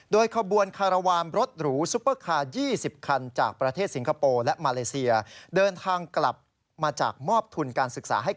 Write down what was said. โดยขบวนคาร์วารรถหรูซุปเปอร์คาร์